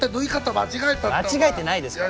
間違えてないですから。